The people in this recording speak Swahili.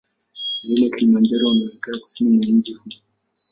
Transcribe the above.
Mlima Kilimanjaro unaonekana kusini mwa mji huu.